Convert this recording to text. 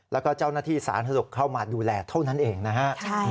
แล้วก็เจ้าหน้าที่สาธารณสุขเข้ามาดูแลเท่านั้นเองนะฮะ